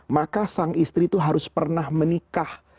maka sang istri itu harus pernah menikah